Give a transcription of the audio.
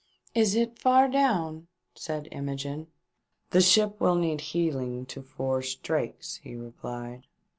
" Is it far down ?" said Imogene. " The ship will need heeling to four Strakes," he replied.